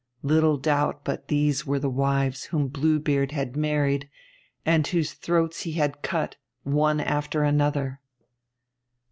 Little doubt but these were the wives whom Blue Beard had married and whose throats he had cut, one after another!